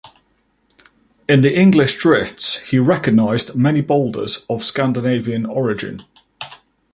In the English drifts he recognized many boulders of Scandinavian origin.